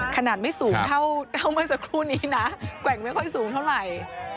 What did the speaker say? ขนาดไม่สูงเท่าเมื่อสักครู่นี้นะแกว่งไม่ค่อยสูงเท่าไหร่